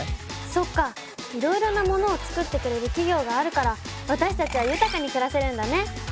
そっかいろいろなものを作ってくれる企業があるから私たちは豊かに暮らせるんだね！